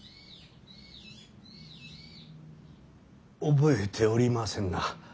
覚えておりませぬな。